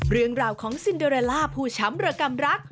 เรื่องราวของซินเดอเรลล่าผู้ช้ำระกำรัก